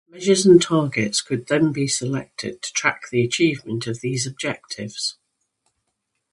Measures and targets could then be selected to track the achievement of these objectives.